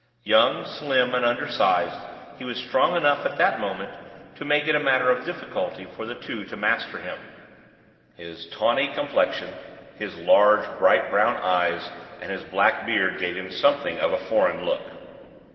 Young, slim, and undersized, he was strong enough at that moment to make it a matter of difficulty for the two to master him. His tawny complexion, his large, bright brown eyes, and his black beard gave him something of a foreign look.